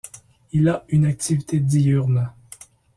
Il a une activité diurne.